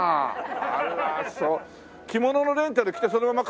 着物のレンタル着てそのまま。